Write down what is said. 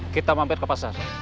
kita mampir ke pasar